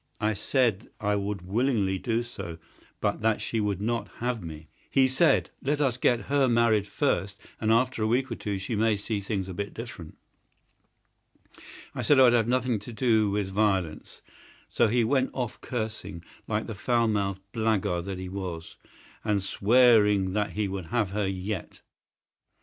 I said I would willingly do so, but that she would not have me. He said, 'Let us get her married first, and after a week or two she may see things a bit different.' I said I would have nothing to do with violence. So he went off cursing, like the foul mouthed blackguard that he was, and swearing that he would have her yet.